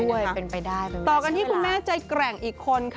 เพื่อนไฟได้ต่อกันที่คุณแม่ใจแกร่งอีกคน